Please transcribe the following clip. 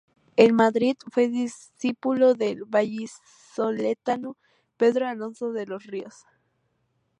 En Madrid fue discípulo del vallisoletano Pedro Alonso de los Ríos.